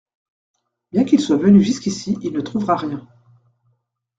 Bien qu’il soit venu jusqu’ici, il ne trouvera rien.